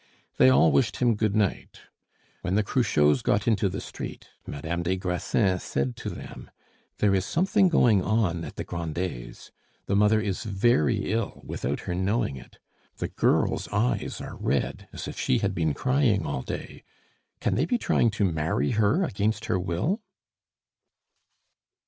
They all wished him good night. When the Cruchots got into the street Madame des Grassins said to them, "There is something going on at the Grandets. The mother is very ill without her knowing it. The girl's eyes are red, as if she had been crying all day. Can they be trying to marry her against her will?"